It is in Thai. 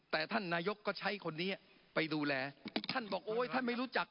แต่ท่านนายกก็ใช้คนนี้ไปดูแลท่านบอกโอ้ยท่านไม่รู้จัก